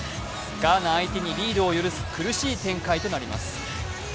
ガーナ相手にリードを許す苦しい展開となります。